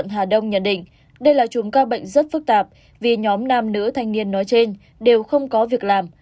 hà đông nhận định đây là chùm ca bệnh rất phức tạp vì nhóm nam nữ thanh niên nói trên đều không có việc làm